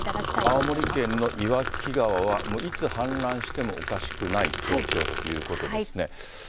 青森県の岩木川は、もういつ氾濫してもおかしくない状況ということですね。